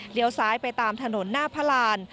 เดี๋ยวซ้ายไปตามถนนหน้าพระราน